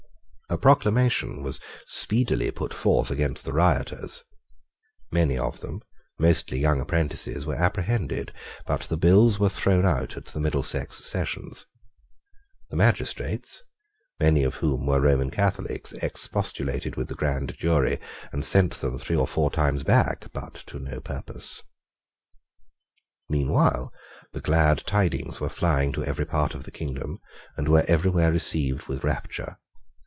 A proclamation was speedily put forth against the rioters. Many of them, mostly young apprentices, were apprehended; but the bills were thrown out at the Middlesex sessions. The magistrates, many of whom were Roman Catholics, expostulated with the grand jury and sent them three or four times back, but to no purpose. Meanwhile the glad tidings were flying to every part of the kingdom, and were everywhere received with rapture.